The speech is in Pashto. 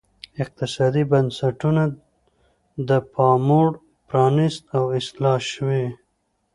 اقتصادي بنسټونه د پاموړ پرانیست او اصلاح شوي.